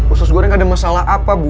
usus goreng ada masalah apa bu